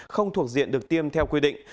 không thuộc diện được tiêm theo quy định